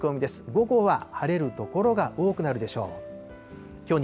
午後は晴れる所が多くなるでしょう。